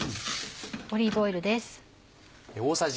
オリーブオイルです。